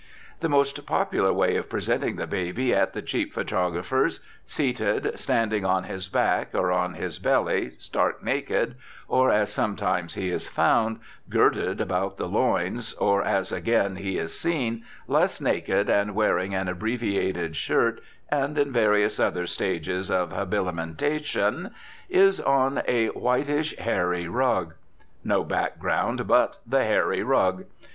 The most popular way of presenting the baby at the cheap photographer's, seated, standing, on his back, or on his belly; stark naked, or (as sometimes he is found) girded about the loins, or (as, again, he is seen) less naked and wearing an abbreviated shirt, and in various other stages of habilimentation, is on a whitish hairy rug. No background but the hairy rug.